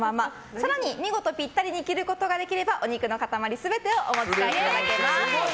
更に見事ぴったりで切ることができればお肉の塊全てをお持ち帰りいただけます。